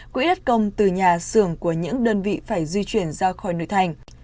quỹ đất công từ nhà xưởng của những đơn vị phải di chuyển ra khỏi nội thành